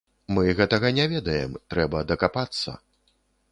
Мы гэтага не ведаем, трэба дакапацца.